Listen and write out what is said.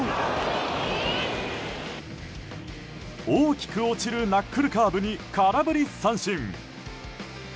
大きく落ちるナックルカーブに空振り三振。